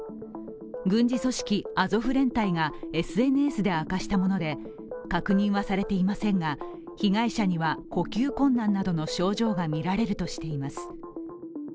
軍事組織アゾフ連隊がＳＮＳで明かしたもので確認はされていませんが被害者には呼吸困難などの症状がみられるとしています。